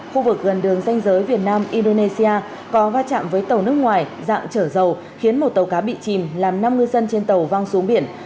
khu vực gần đường danh giới việt nam indonesia có va chạm với tàu nước ngoài dạng trở dầu khiến một tàu cá bị chìm làm năm ngư dân trên tàu văng xuống biển